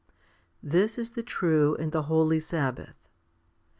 This is the true and the holy sabbath.